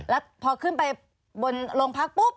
แล้วพอขึ้นไปบนโรงพักปุ๊บ